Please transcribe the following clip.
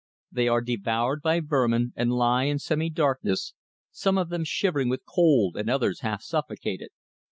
They are devoured by vermin, and lie in semi darkness, some of them shivering with cold and others half suffocated.